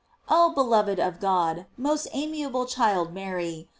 Oh beloved of God! most amiable child Mary!